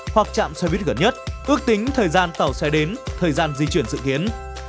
hoặc chạm xe buýt gần nhất ước tính thời gian tàu xe đến thời gian di chuyển dự kiến